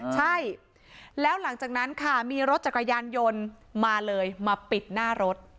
ใช่แล้วหลังจากนั้นค่ะมีรถจักรยานยนต์มาเลยมาปิดหน้ารถ